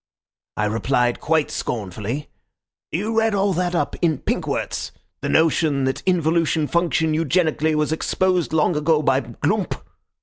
I replied quite scornfully, 'You read all that up in Pinckwerts; the notion that involution functioned eugenically was exposed long ago by Glumpe.